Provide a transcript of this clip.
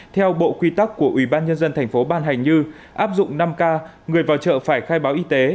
theo bộ quy tắc của ủy ban nhân dân tp hcm như áp dụng năm k người vào chợ phải khai báo y tế